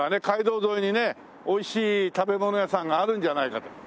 街道沿いにねおいしい食べ物屋さんがあるんじゃないかと。